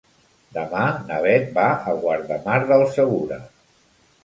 Demà na Beth va a Guardamar del Segura.